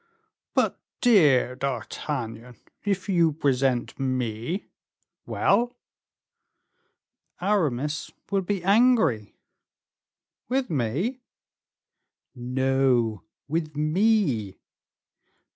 "But, dear D'Artagnan, if you present me " "Well!" "Aramis will be angry." "With me?" "No, with me."